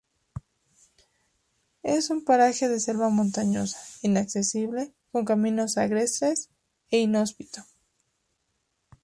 Es un paraje de selva montañosa, inaccesible, con caminos agrestes e inhóspito.